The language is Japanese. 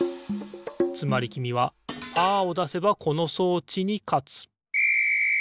つまりきみはパーをだせばこの装置にかつピッ！